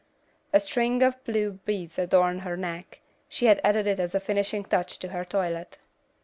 A string of blue beads adorned her neck; she had added it as a finishing touch to her toilet.